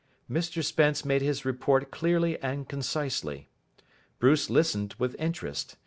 Mr Spence made his report clearly and concisely. Bruce listened with interest.